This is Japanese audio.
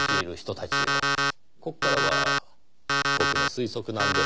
ここからは僕の推測なんですが。